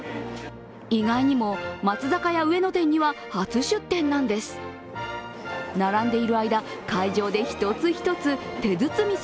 意外にも、松坂屋上野店には初出店なんです。